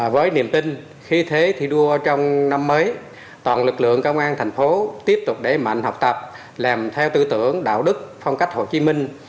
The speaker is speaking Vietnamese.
với niềm tin khi thế thi đua trong năm mới toàn lực lượng công an thành phố tiếp tục đẩy mạnh học tập làm theo tư tưởng đạo đức phong cách hồ chí minh